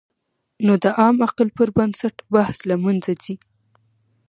نو د عام عقل پر بنسټ بحث له منځه ځي.